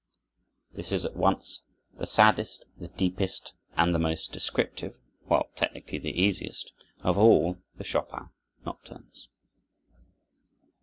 This is at once the saddest, the deepest, and the most descriptive, while technically the easiest, of all the Chopin nocturnes.